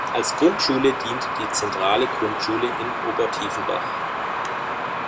Als Grundschule dient die zentrale Grundschule in Obertiefenbach.